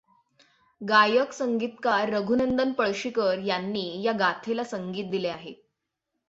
गायक संगीतकार रघुनंदन पळशीकर यांनी या गाथेला संगीत दिले आहे.